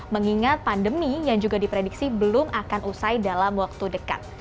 mengingat pandemi yang juga diprediksi belum akan usai dalam waktu dekat